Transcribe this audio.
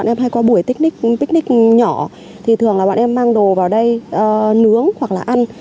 bạn em hay qua buổi picnic nhỏ thì thường là bạn em mang đồ vào đây nướng hoặc là ăn